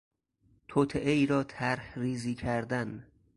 توطئهای را طرحریزی کردن